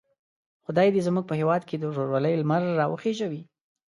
خدای دې زموږ په هیواد کې د ورورولۍ لمر را وخېژوي.